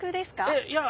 えっいや。